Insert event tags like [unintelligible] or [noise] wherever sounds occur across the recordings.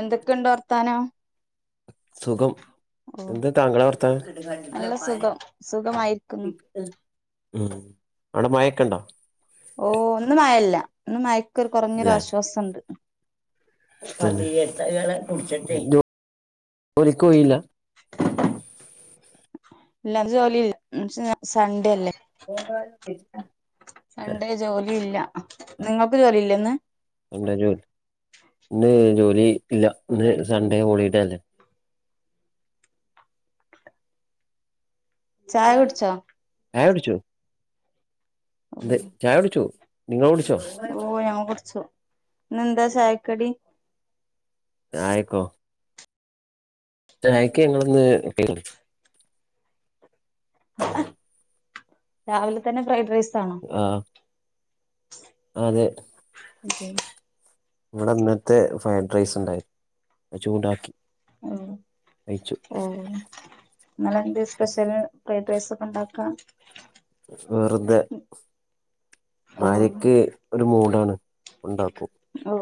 എന്തൊക്കെയുണ്ട് വർത്താനം സുഖം ഓ എന്ത് താങ്കളെ വർത്താനം നല്ല സുഖം സുഖമായിരിക്കുന്നു ഉം അവിടെ മയെക്കെണ്ടാ ഓ ഇന്ന് മയല്ല ന്ന് മഴ് ക്ക് കുറഞ്ഞൊരു ആശ്വാസണ്ട് [unintelligible] [unintelligible] ജോലി ക്കോയിലേ [unintelligible] ഇല്ല ജോലില്ല ഉം സൺഡേ അല്ലേ [unintelligible] സൺഡേ ജോലി ഇല്ല നിങ്ങൾക്ക് ജോലിയില്ലേ ഇന്ന് ഈ ഇല്ല ഇന്ന് സൺഡേ ഹോളിഡേ അല്ലേ ചായ കുടിച്ചോ ചായ കുടിച്ചു ന്ത് ചായ കുടിച്ചു നിങ്ങള് കുടിച്ചോ ഓ ഞങ്ങൾ കുടിച്ചു ഇന്നെന്താ ചായക്കടി ചായക്കൊ ചായക്ക് ങ്ങള്ന്ന് പിന്നെ രാവിലെ തന്നെ ഫ്രൈഡ് റൈസ് ആണോ ആ അതെ ഇവിടെ ന്നൽത്തെ ഫ്രൈഡ് റൈസ് ഉണ്ടായിരുന്നു അത് ചൂടാക്കി കഴിച്ചു ഓ നിങ്ങളെന്ത് സ്പെഷ്യൽ ഫ്രൈഡ് റൈസ് ഒക്കെ ഉണ്ടാക്കാ വെറ്തെ [unintelligible] ഓ താണ് ഉണ്ടാക്കും ഓ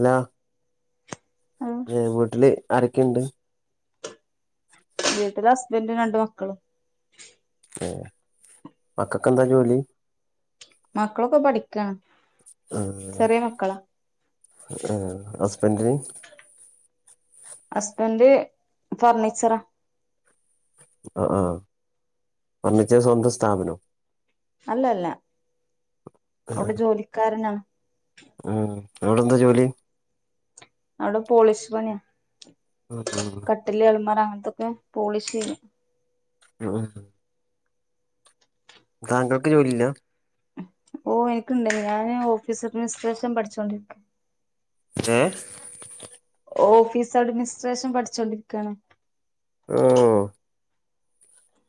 ന്നാ ഏ വീട്ടില് ആരൊക്ക ഇണ്ട് വീട്ടില് ഹസ്ബൻഡ് രണ്ട് മക്കള് മക്കക്കെന്താ ജോലി മക്കളൊക്കെ പഠിക്കാണ് ഉം ചെറിയ മക്കളാ ആ ബന്റ് ഹസ്ബൻഡ് ഫർണിച്ചറാ ആ ആ ഫർണിച്ചർ സ്വന്തം സ്ഥാപനം അല്ലല്ല അവിടെ ജോലിക്കാരനാ ഉം അവിടെന്താ ജോലി അവിടെ പോളിഷ് പണിയാ ഉം കട്ടില് അലമാറങ്ങനെ എന്തൊക്കെ പോളിഷ് ചെയ്യും ആ താങ്കൾക്ക് ജോലീല്ല ഓ എനിക്കുണ്ട് ഞാന് ഓഫീസ് അഡ്മിനിസ്ട്രേഷൻ പഠിച്ചോണ്ടിരിക്ക ജെ ഓഫീസ് അഡ്മിനിസ്ട്രേഷൻ പഠിച്ചോണ്ടിരിക്കയാണ് ഹാ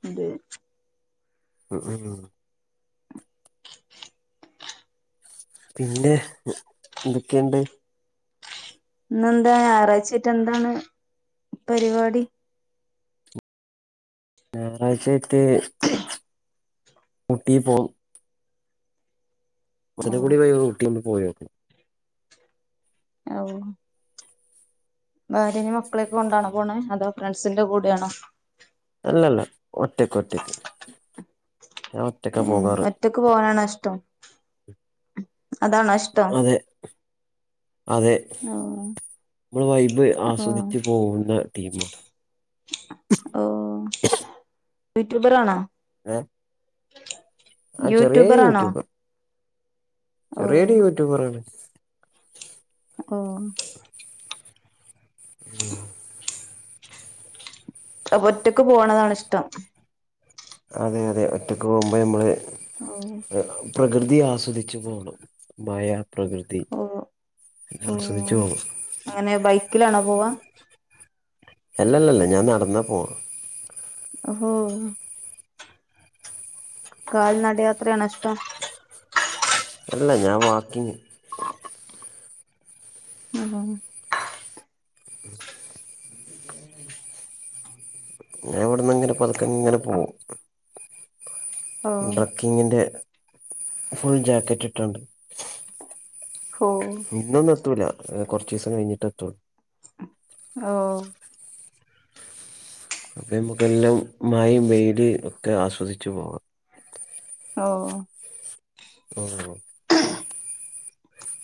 അതെ ഉ ഉം പിന്നെ എന്തൊക്കെയൊണ്ട് ഇന്ന്ന്താ ഞായറാഴ്ച്ചായിട്ട് എന്താണ് പരിപാടി ഞായറാഴ്ച്ചായിട്ട് ഊട്ടി പോകും ഓ മസനകൂടി വഴി ഊട്ടി ആണ് പോയോക്കെ ഓ ഭാര്യേനെം മക്കളൊക്കെ കൊണ്ടാണോ പോണെ അതൊ ഫ്രണ്ട്സിന്റെ കൂടെയാണോ അല്ലല്ല ഒറ്റക്ക് ഒറ്റക്ക് ഞാൻ ഒറ്റക്കാ ഏ പോകാറ് ഒറ്റക്ക് പോവാനാണോ ഇഷ്ടം അതാണോ ഇഷ്ടം അതെ അതെ ഓ മ്മൾ വൈബ് ഓ ആസ്വദിച്ചു പോകുന്ന ടീമുണ്ട് ഓ യുട്യൂബറാണോ? ആ ആ ചെറിയ യൂട്യൂബറാണോ യൂട്യൂബ ഓ ചെറിയൊരു യുട്യൂബറാണ്. ഓ അപ്പ ഒറ്റക്ക് പോണതാണിഷ്ടം. അതെ അതെ ഒറ്റക്ക് പോകുമ്പഴ്മ്മള്. ഓ പ്രകൃതി ആസ്വദിച്ചു പോണം മയ ഓ ഓ ആസ്വദിച്ചു പോണം അങ്ങനെ ബൈക്കിലാണോ പോവ്വാ? അല്ലല്ലല്ല ഞാൻ നടന്നാ പോവുന്നെ. ഓ കാൽനടയാത്രയാണോ ഇഷ്ടം? അല്ല ഞാൻ വാക്കിങ്ങ് ഞാഇവിടന്നിങ്ങനെ പതുക്കെങ്ങനെ പോകും. ഓ ട്രക്കിങ്ങിന്റെ ഫുൾ ജാക്കറ്റ് ഇട്ടോണ്ട്. ഓ ഇന്നൊന്നു എത്തൂല. അത് കൊറച്ചീസം കഴിഞ്ഞിട്ടെത്തൊള് ഓ അപ്പ ഞമ്മക്കെല്ലാം മയും വെയില് ഒക്കെ ആസ്വദിച്ചു പോകാം. ഓ ഓ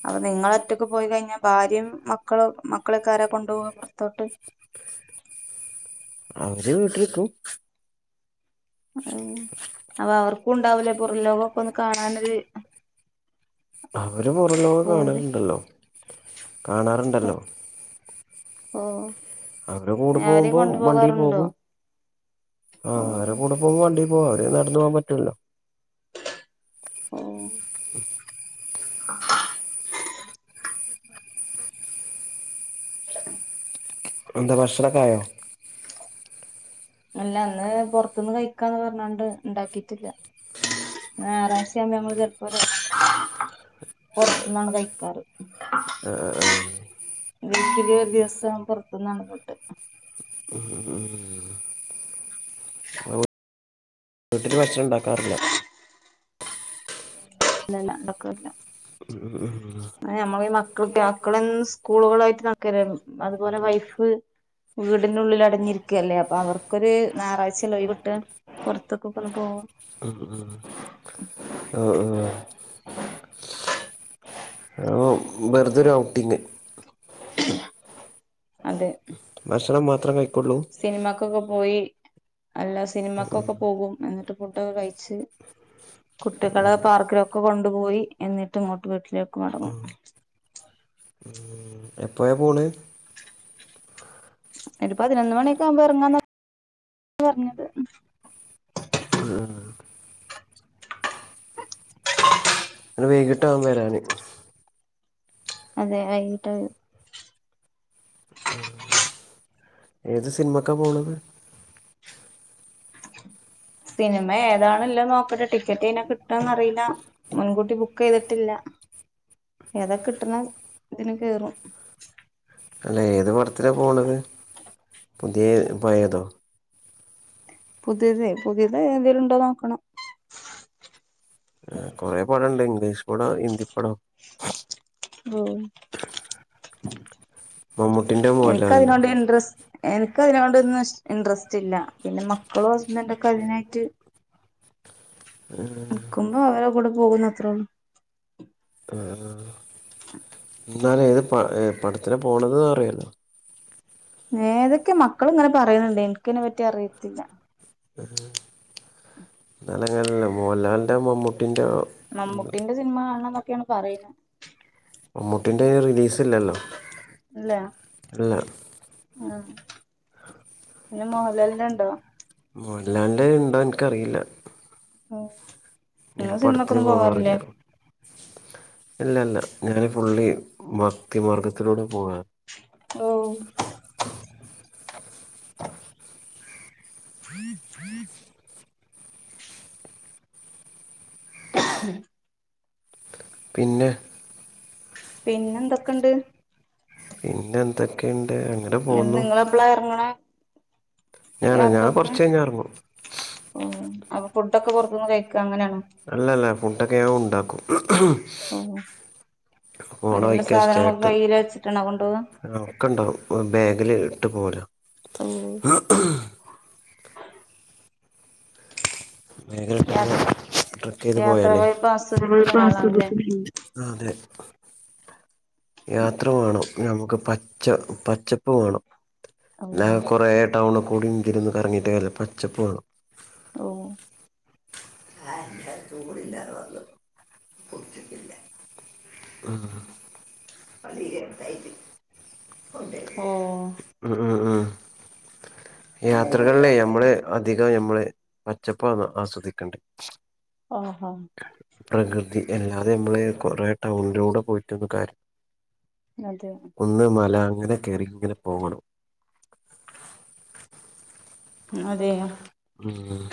അത് നിങ്ങളൊറ്റക്ക് പോയി കഴിഞ്ഞാ ഭാര്യയും മക്കളും മക് മക്കളെക്കാരാ കൊണ്ടുപോവാ പുറത്തോട്ട്. അവര് വീട്ടിലിട്ടു. ഉം അപ്പൊ അവർക്കും ഉണ്ടാവൂലേ പുറംലോകമൊക്കെ ഒന്ന് കാണാനൊരു അവര് പുറം ലോകം പൂതി കാണലുണ്ടല്ലോ. കാണാറുണ്ടല്ലോ. ഓ അവരെ കൂടെ അവരെയും പോകുമ്പോ കൊണ്ടു വണ്ടീ പോകാറുണ്ടോ പോകും. ആ ഓ ഹ്അവരെ കൂടെ പോകുമ്പോ വണ്ടി ഓ അവര് നടന്നു പോകാൻ പറ്റൂല്ലല്ലോ. ഉം എന്താ ഭക്ഷണക്കെയായോ? അല്ല അന്ന് പൊറത്ത്ന്ന് കഴിക്കാന്ന് പറഞ്ഞോണ്ട് ഉണ്ടാക്കിയിട്ടില്ല ഞായറാഴ്ച ആകുമ്പോ ഞമ്മള് പൊറ പൊറത്ത്ന്നാണ് കഴിക്കാറ് ഏ വീക്കിലി ഒരു ദിവസം പൊറത്തുന്നാണ് ഫുഡ് വീട്ടില് ഭക്ഷണം ഉണ്ടാക്കാറ്ല്ല ഇല്ലല്ല ഉണ്ടാക്കാറില്ല ഉം ഉം ഞമ്മള് ഈ മക്കളൊക്കെ മക്കള് എന്നും സ്കൂളുകളായിട്ട് നടക്കുവല്ലായിരുന്നോ അതുപോലെ വൈഫ് വീടിനുള്ളിൽ അടഞ്ഞിരിക്കയല്ലേ അപ്പൊ അവർക്കൊരു ഞായറാഴ്ചയല്ലേ ഒഴിവ് കിട്ടുക പൊറത്തേക്കൊക്കെ ഒന്ന് പോവാൻ ആഹ് ആഹ് വെറതൊരു ഔട്ടിങ് അതെ ഭക്ഷണം മാത്രം കഴി സിനിമക്കൊക്കെ പോയി അല്ല സിനിമക്കൊക്കെ പോകും എന്നിട്ട് ഫുഡ്‌യൊക്കെ കഴിച്ച് കുട്ടികളെ പാർക്കിലൊക്കെ കൊണ്ടുപോയി എന്നിട്ട് ഇങ്ങോട്ട് വീട്ടിലേക്ക് മടങ്ങും എപ്പോഴ പോണ് ഒരു പതിനൊന്ന് മണിയൊക്കെ ആവുമ്പോ എറങ്ങാന്നാ പറഞ്ഞത് ഇന്ന് വൈകിട്ടാവും വരാന് അതെ വൈകിട്ട് ഏത് സിനിമക്കാ പോണത് സിനിമ ഏതാണല്ലേ നോക്കട്ടെ ടിക്കറ്റ് ഇനെ കിട്ടൊന്നറിയില്ല മുൻകൂട്ടി ബുക്ക് ചെയ്തിട്ടില്ല ഏതാ കിട്ടുന്ന ഇതിന് കേറും അവിടെത്തെന്നെ പോണത് പുതിയേ പയേതോ പുതിയതേ പുതിയതേതേലും ണ്ടോന്ന് നോക്കണം കൊറെപടംണ്ട് ഇംഗ്ലീഷ് പടം ഹിന്ദി പടം ഓ മമ്മൂട്ടിന്റെ എനിക്ക് മോഹൻലാലിന്റോ അതിനോട് ഇൻട്രസ്റ്റ് എനിക്ക് അതിനൊടൊന്നും ഇഷ് ഇൻട്രസ്റ്റ് ഇല്ല പിന്നെ മക്കളോ ഹസ്ബൻഡ് ഒക്കെ അതിനായിട്ട് നിക്കുമ്പോ അവരുടെ കൂടെ പോകുന്നു അത്രേ ഒള്ളു [unintelligible] എന്നാലും ഏത് പ ഏത് പടത്തിനാ പോണത് അറിയാല്ലോ ഏതൊക്കെ മക്കള് ഇങ്ങനെ പറയണൊണ്ട് എനിക്കിതിനെ പറ്റി അറിയത്തില്ല [unintelligible] മോഹലാലിന്റെ മമ്മൂട്ടി ട്ടിന്റെയോ ഒക്കെയാണ് പറയുന്നത് മമ്മൂട്ടിന്റെ റിലീസ് സില്ലല്ലോ ഇല്ല ആ പിന്നെ മോഹൻലാലിന്റെ ഉണ്ടോ മോഹൻലാലിൻ്റെ ഉണ്ടോ എനിക്കറിയില്ല ഓ നിങ്ങള് സിനിമക്കൊന്നും പോവാറില്ലേ ഇല്ലല്ല ഞാന് ഫുള്ളി ഭക്തിമാർഗത്തിലൂടെ പോകുവാണ് ഓ [unintelligible] [unintelligible] പിന്നെ പിന്നെ എന്തൊക്കെ ഉണ്ട് ഇന്തക്ക അത് നിങ്ങള് എപ്പളാ ഇറങ്ങണ ഞാനോ ഞാൻ കൊറച്ച കഴിഞ്ഞ ഇറങ്ങു അപ്പ ഫുഡക്കെ പുറത്തനിന്ന് കിഴി ക്കു അല്ലല്ല ഫുട്ടൊക്കെ ന്യൻ ഉണ്ടാക്ക ഉം ആ ഓ പോണ അതിനുള്ള വഴിക്ക സ്റ്റെ സാധനങ്ങളൊക്കെ കിട്ടും കയ്യിൽ വെച്ചിട്ടാണോ കൊണ്ടോവാ ക്കെണ്ടാവും ബാഗിൽ ട്ട പോര് ഓ ഏ ട്രക്ക പോയാലേ ഒരാളാണല്ലേ അതെ യാത്ര വേണം നമുക്ക് പച്ച പച്ചപ്പ് വേണം ഓ ന കുറേ ടൗണ ഔദാങ്കിലൊന്ന് കറങ്ങിയിട്ടേ പച്ചപ്പു വേണം ഓ ആ ആ കൂടില്ലാതെ വന്നു കുടിച്ചിട്ടില്ല ആ അതി എന്തായിത് ഓ [unintelligible] ഉം ഉം ഉം യാത്രകളിലേ ഞമ്മള് അധികം ഞമ്മള് പച്ചപ്പാണ് ആസ്വദിക്കണ്ടെ ആഹാ പ്രകൃതി അല്ലാതെ നമ്മള് കൊറേ ടൗണിലൂടെ പോയിട്ടൊന്നും കാര്യല്ല അതെ ഒന്ന് മല അങ്ങനെ കേറി ഇങ്ങനെ പോകണം അതെയോ [unintelligible] ഉം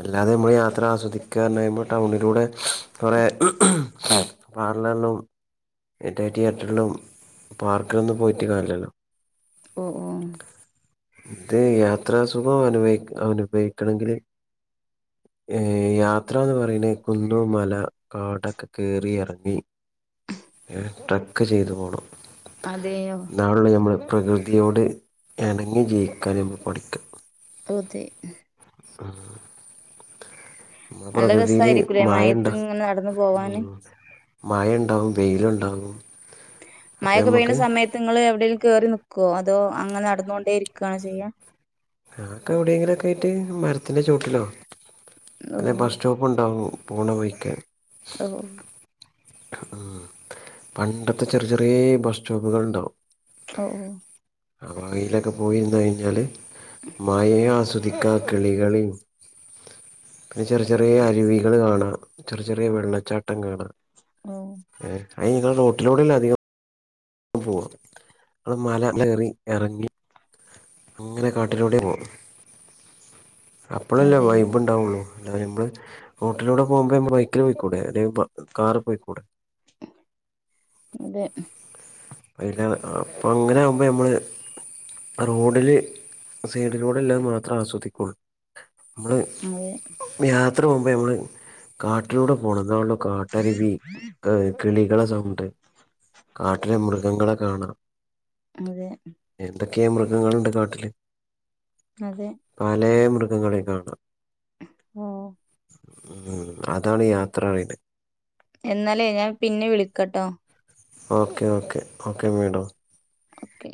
അല്ലാതെ നമ്മള് യാത്ര ആസ്വദിക്കുകന്ന്റഞ്ഞകയുമ്പോ ടൗണിലൂടെ കുറെ ഉം പാർലർലും മറ്റേ തീയറ്ററിലും പാർക്കിലൊന്നും പോയിട്ട് കാര്യല്ലല്ലോ ഓ ഓ ഇത് യാത്രാസുഖം അനുഭവ അനുഭവിക്കണെങ്കിൽ ഏ യാത്ര എന്ന് പറയണ കുന്ന് മല കാടൊക്കെ കേറിയെറങ്ങി ഏ ട്രക്ക് ചെയ്തു പോണം അതെയോ ന്നാലുള്ളു ഞമ്മള് പ്രകൃതിയോട് എണങ്ങി ജീവിക്കാൻ നമ്മൾ പഠിക്കു അതെ ആ നല്ല രസായിരിക്കൂല്ലേ മായ മയത്ത് ഇങ്ങനെ നടന്നു പോവാന് മായ ഉണ്ടാവും വെയിലുണ്ടാകും മഴൊക്കെ പെയ്യണ്ട സമയത്ത് നിങ്ങൾ എവിടെേലും കേറി നിക്ക് ക്കോ അതോ അങ്ങനെ നടന്നോണ്ടേ ഇരിക്കയാണ് ചെയ്യാ ആക്കെ എവിടെയെങ്കിലും ഒക്കെ ആയിട്ട് മരത്തിന്റെ ചോട്ടിലോ ഓ അല്ലെ ബസ് സ്റ്റോപ്പ് ഉണ്ടാവും പോണ വയ്ക്ക് ഓഓ ആ പണ്ടത്തെ ചെറിയ ചെറിയ ബസ് സ്റ്റോപ്പുകളുണ്ടാവും ഓ ഓ ആ അയിലൊക്കെ പോയിന്ന് കഴിഞ്ഞാല് മായ അസു അതിക്ക കിളികളേം പിന്നെ ചെറിയ ചെറിയ അരുവികൾ കാണാം ചെറിയ ചെറിയ വെള്ളച്ചാട്ടം കാണാം ആ അയ് ഞങ്ങള് റോട്ടിലൂടെല്ല അധികം പോവാ അത് മലകേറി ഇറങ്ങി അങ്ങനെ കാട്ടിലൂടെ പോകുഅ അപ്പളല്ലേ അതെ വൈബ്ണ്ടാവുളു എ നമ്മൾ ഹോട്ടിലൂടെ പോുമ്പോ നമ്മ ബൈക്കിൽ പോയിക്കൂട കാറ് പോയി കൂടെ അതെ അല്ല അപ്പം അങ്ങനെ ആകുമ്പോൾ നമ്മള് റോഡിൽ സൈഡ് റോഡല്ലാതെ മാത്രേ ആസ്വദിക്കുള്ളൂ നമ്മള് അതെ അത്ര മുമ്പ് നമ്മള് കാട്ടിലൂടെ പോകണള്ള കാട്ടരി ബ ഏ കിളികള സൗണ്ട് കാട്ടിലെ മൃഗങ്ങളെ കാണാം അതെ കേമ്ര മൃഗങ്ങളുണ്ട് കാട്ടില് അതെ പല മൃ അങ്ങളെ കാണാം ഓ ഉം അതാണ് യാത്രണത് എന്നാലേ ഞാൻ പിന്നെ വിളിക്കട്ടോ okay okay okay madam okay